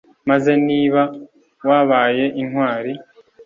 maze niba wabaye intwari